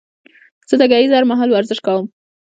زه د ګهيځ هر مهال ورزش کوم